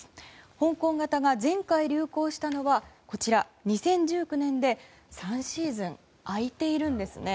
香港型が前回流行したのは２０１９年で３シーズン空いているんですね。